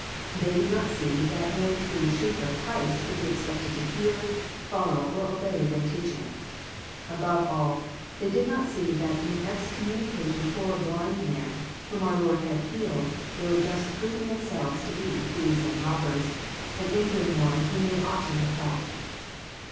They did not see thtrtrno true sheep of Christ could be expected to hear, follow, or obey their teaching. Above all, they did not see that in excommunicating the poor ^ blind man whom our Lord had healed, they were just proving •themselves to be ''thieves and robbers," and ii\]uring one whom they ought to have helped.